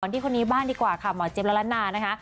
ที่คนนี้บ้างดีกว่าค่ะหมอเจี๊ยบและละนานะคะ